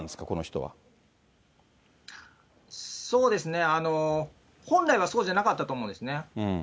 このそうですね、本来はそうじゃなかったと思うんですよね。